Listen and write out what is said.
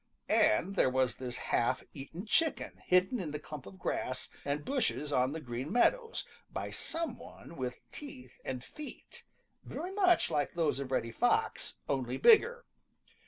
And here was this half eaten chicken hidden in the clump of grass and hushes on the Green Meadows by some one with teeth and feet very much like those of Reddy Fox only bigger.